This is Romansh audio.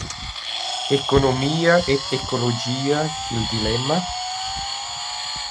Economia ed ecologia i’l dilemma?»